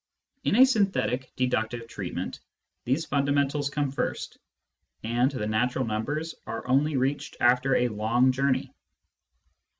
In a synthetic, deductive treatment these fundamentals come first, and the natural numbers are only reached after a long journey.